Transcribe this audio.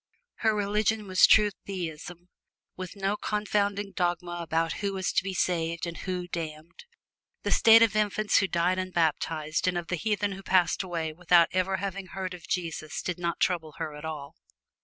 Her religion was pure Theism, with no confounding dogmas about who was to be saved and who damned. The state of infants who died unbaptized and of the heathen who passed away without ever having heard of Jesus did not trouble her at all.